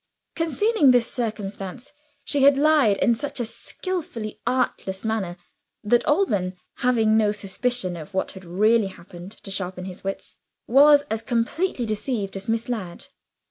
Concealing this circumstance, she had lied in such a skillfully artless manner that Alban (having no suspicion of what had really happened to sharpen his wits) was as completely deceived as Miss Ladd.